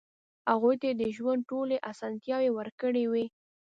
هغوی ته يې د ژوند ټولې اسانتیاوې ورکړې وې.